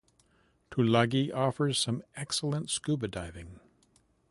Tulagi offers some excellent scuba diving.